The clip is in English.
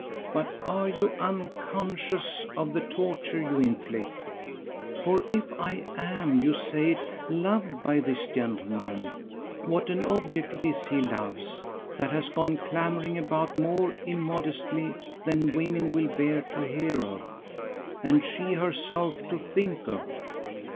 But are you unconscious of the torture you inflict? For if I am you say it loved by this gentleman, what an object it is he loves that has gone clamouring about more immodestly than women will bear to hear of, and she herself to think of!